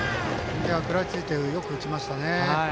食らいついてよく打ちましたね。